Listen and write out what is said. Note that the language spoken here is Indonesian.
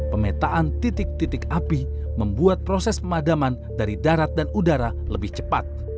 pemetaan titik titik api membuat proses pemadaman dari darat dan udara lebih cepat